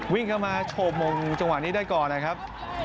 วิ่งเข้ามาโชว์มงจังหวะนี้ได้ก่อนนะครับ